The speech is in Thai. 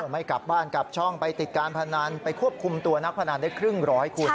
ไม่กลับบ้านกลับช่องไปติดการพนันไปควบคุมตัวนักพนันได้ครึ่งร้อยคุณ